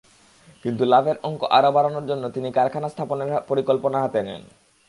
কিন্তু লাভের অঙ্ক আরও বাড়ানোর জন্য তিনি কারখানা স্থাপনের পরিকল্পনা হাতে নেন।